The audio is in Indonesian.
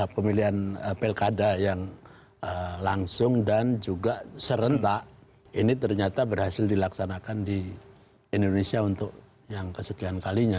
pemilihan pilkada yang langsung dan juga serentak ini ternyata berhasil dilaksanakan di indonesia untuk yang kesekian kalinya